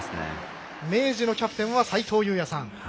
明治のキャプテンは斉藤祐也さん。